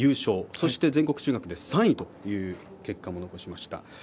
そして全国中学で３位という結果も出しました。